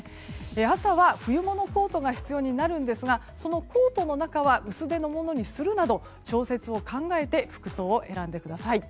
朝は冬物コートが必要になるんですがそのコートの中は薄手のものにするなど調節を考えて服装を選んでください。